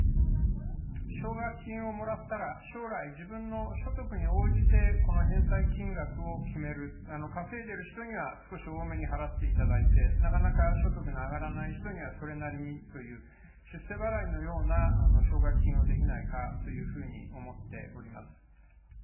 奨学金をもらったら、将来、自分の所得に応じて、この返済金額を決める、稼いでいる人には少し多めに払っていただいて、なかなか所得の上がらない人にはそれなりにという、出世払いのような奨学金をできないかというふうに思っております。